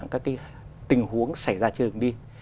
các tình huống xảy ra trên đường đi